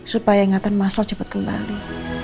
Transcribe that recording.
supaya ingatan masal cepat kembali